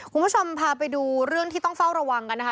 คุณผู้ชมพาไปดูเรื่องที่ต้องเฝ้าระวังกันนะคะ